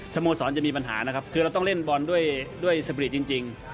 โมสรจะมีปัญหานะครับคือเราต้องเล่นบอลด้วยสบรีทจริง